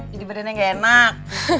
jadi badannya enggak enak